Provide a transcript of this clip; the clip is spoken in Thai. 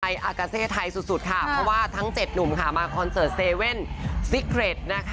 อากาเซไทยสุดค่ะเพราะว่าทั้ง๗หนุ่มค่ะมาคอนเสิร์ตเซเว่นซิเกรดนะคะ